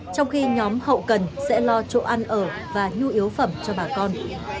trong khi nhóm hậu cần sẽ lo chỗ ăn ở và nhu yếu phẩm cho bà con